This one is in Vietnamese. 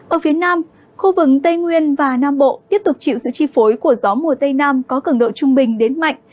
ở phía nam khu vực tây nguyên và nam bộ tiếp tục chịu sự chi phối của gió mùa tây nam có cường độ trung bình đến mạnh